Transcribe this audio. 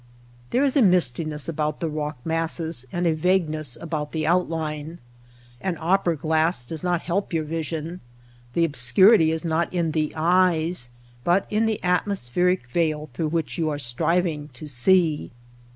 There is a mistiness about the rock masses and a vague ness about the outline. An opera glass does not help your vision. The obscurity is not in the eyes but in the atmospheric veil through which you are striving to see.